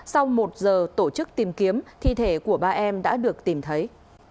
sau một giờ tổ chức tìm kiếm thi thể của ba em đã được tìm thấy